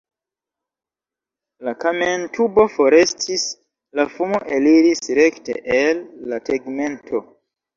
La kamentubo forestis, la fumo eliris rekte el la tegmento.